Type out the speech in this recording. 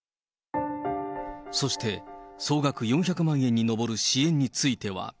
そして総額４００万円に上る支援については。